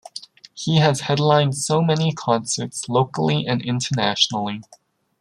He has headlined so many concerts locally and internationally.